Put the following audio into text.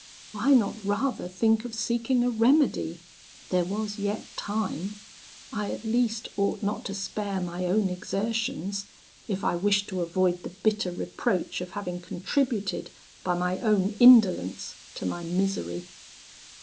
Why not rather think of seeking a remedy? there was yet time; I at least ought not to spare my own exertions, if I wished to avoid the bitter reproach of having contributed, by my own indolence, to my misery.